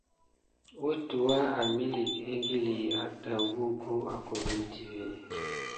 Wutəwa emilik ékili adawu gukole metivé.